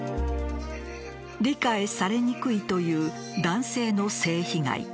理解されにくいという男性の性被害。